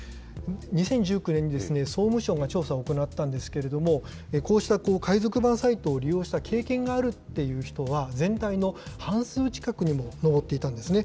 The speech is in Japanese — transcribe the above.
２０１９年に総務省が調査を行ったんですけれども、こうした海賊版サイトを利用した経験があるという人は、全体の半数近くにも上っていたんですね。